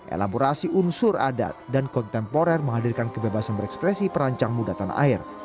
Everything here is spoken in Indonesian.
elaborasi unsur adat dan kontemporer menghadirkan kebebasan berekspresi perancang muda tanah air